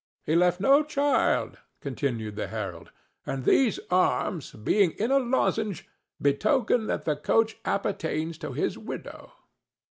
"He left no child," continued the herald, "and these arms, being in a lozenge, betoken that the coach appertains to his widow."